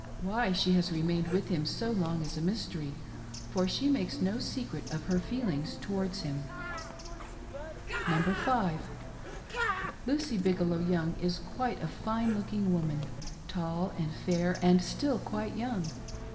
Why she has remained with him so long is a mystery, for she makes no secret of her feelings towards him. LUCY BIGELOW YOUNG. [Number Five.] Lucy Bigelow Young is quite a fine looking woman — ^tall and fair, and still quite young.